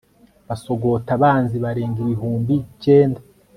basogota abanzi barenga ibihumbi cyenda